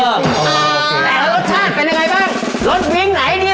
น่ารักรสชาติเป็นไงบ้างรสวิงไหนดีดอ